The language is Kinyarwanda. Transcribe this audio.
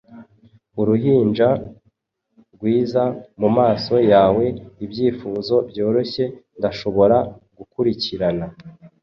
Uruhinja rwiza, mumaso yawe Ibyifuzo byoroshye Ndashobora gukurikirana,